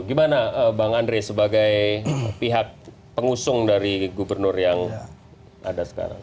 gimana bang andre sebagai pihak pengusung dari gubernur yang ada sekarang